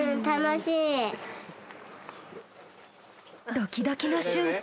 ドキドキの瞬間。